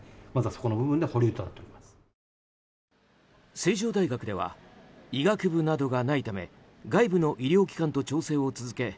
成城大学では医学部などがないため外部の医療機関と調整を続け